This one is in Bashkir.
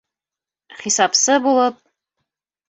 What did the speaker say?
Хисапсы булып...